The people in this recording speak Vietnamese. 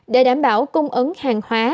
để đảm bảo cung ứng hàng hóa